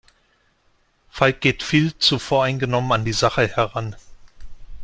Falk geht viel zu voreingenommen an die Sache heran.